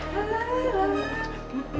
pak mali tinggal satu